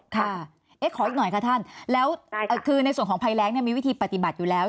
ขออีกหน่อยค่ะท่านแล้วคือในส่วนของภัยแรงมีวิธีปฏิบัติอยู่แล้ว